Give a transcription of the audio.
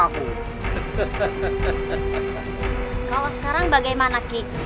kalau sekarang bagaimana